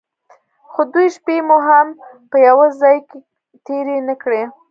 خو دوې شپې مو هم په يوه ځايگي کښې تېرې نه کړې.